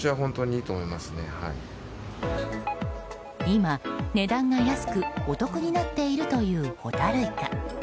今、値段が安くお得になっているというホタルイカ。